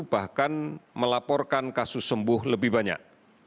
bahkan melaporkan kasus sembuh lebih banyak